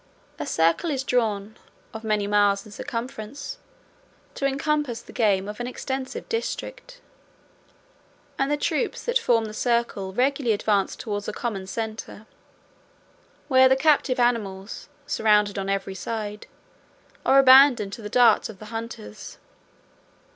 A circle is drawn, of many miles in circumference, to encompass the game of an extensive district; and the troops that form the circle regularly advance towards a common centre; where the captive animals, surrounded on every side, are abandoned to the darts of the hunters.